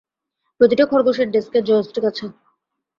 প্রতিটা খরগোশের ডেস্কে জয়স্টিক আছে।